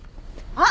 あっ！